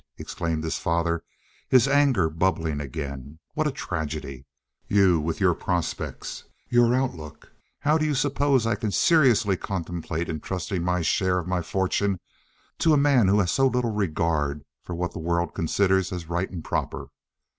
exclaimed his father, his anger bubbling again. "What a tragedy! You with your prospects! Your outlook! How do you suppose I can seriously contemplate entrusting any share of my fortune to a man who has so little regard for what the world considers as right and proper?